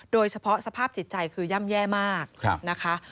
โดยเฉพาะสภาพสิจจัยคือย่ำแย่มากนะคะ